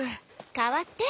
代わって。